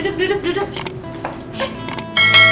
duduk duduk duduk